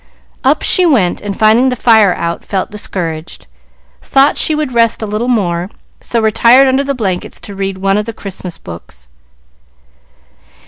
Up she went, and finding the fire out felt discouraged, thought she would rest a little more, so retired under the blankets to read one of the Christmas books.